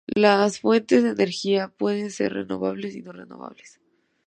Las fuentes de energía pueden ser renovables y no renovables.